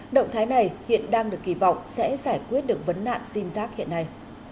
động thái này hiện đang được kỳ vọng sẽ giải quyết được vấn nạn sim giác hiện nay